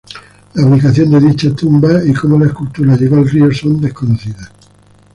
La ubicación de dicha tumba y cómo la escultura llegó al río son desconocidas.